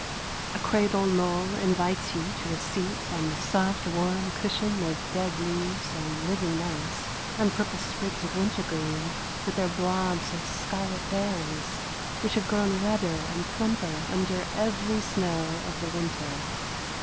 A cradle knoll invites you to a seat on the soft, warm cushion of dead leaves and living moss and purple sprigs of wintergreen with their blobs of scarlet berries, which have grown redder and plumper under every snow of the winter.